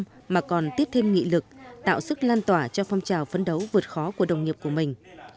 nhưng cũng là những người thêm nghị lực tạo sức lan tỏa cho phong trào phấn đấu vượt khó của đồng nghiệp của mình